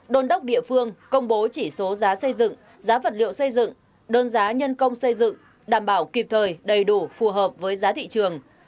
đôn đốc địa phương công bố chỉ số giá xây dựng giá vật liệu xây dựng đơn giá nhân công xây dựng đảm bảo kịp thời đầy đủ phù hợp với giá thị trường